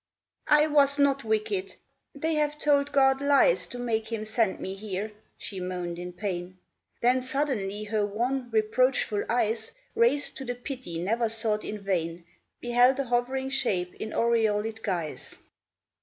" I was not wicked ; they have told God lies To make him send me here," she moaned in pain, Then suddenly her wan, reproachful eyes, Raised to the Pity never sought in vain, Beheld a hovering shape in aureoled guise.